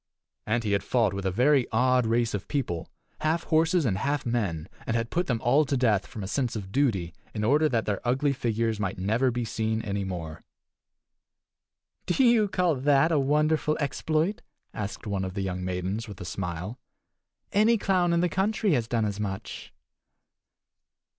And he had fought with a very odd race of people, half horses and half men, and had put them all to death, from a sense of duty, in order that their ugly figures might never be seen any more. "Do you call that a wonderful exploit?" asked one of the young maidens, with a smile. "Any clown in the country has done as much."